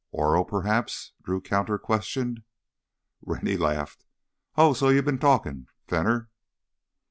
"Oro perhaps?" Drew counter questioned. Rennie laughed. "Oh, so you've been talking, Fenner?"